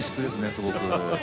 すごく。